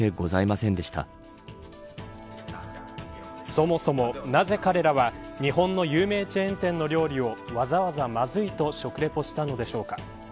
そもそも、なぜ彼らは日本の有名チェーン店の料理をわざわざ、まずいと食レポしたのでしょうか。